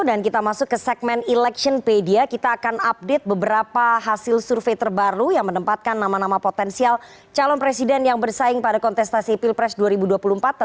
dikliputan cnn indonesia